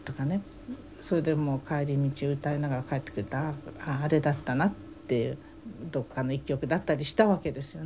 それでもう帰り道歌いながら帰ってくると「ああれだったな」ってどっかの一曲だったりしたわけですよね。